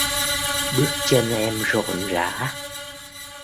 Bước chân em rộn rã...